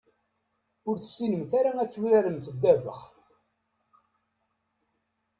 Ur tessinemt ara ad turaremt ddabex.